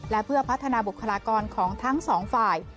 และเพื่อพัฒนาบุคลากรของทั้งสองฝ่าย